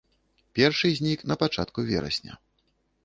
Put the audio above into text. Першы знік на пачатку верасня.